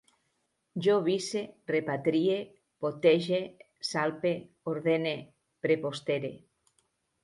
Jo vise, repatrie, potege, salpe, ordene, prepostere